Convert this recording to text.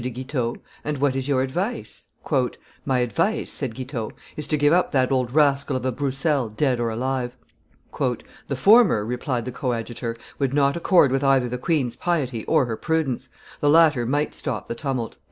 de Guitaut, and what is your advice?" "My advice," said Guitaut, "is to give up that old rascal of a Broussel, dead or alive." "The former," replied the coadjutor, "would not accord with either the queen's piety or her prudence; the latter might stop the tumult."